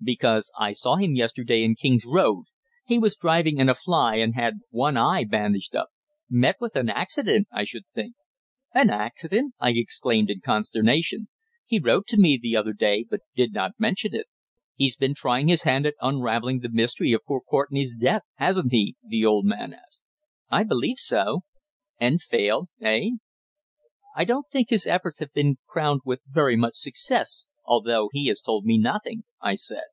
"Because I saw him yesterday in King's Road. He was driving in a fly, and had one eye bandaged up. Met with an accident, I should think." "An accident!" I exclaimed in consternation. "He wrote to me the other day, but did not mention it." "He's been trying his hand at unravelling the mystery of poor Courtenay's death, hasn't he?" the old man asked. "I believe so?" "And failed eh?" "I don't think his efforts have been crowned with very much success, although he has told me nothing," I said.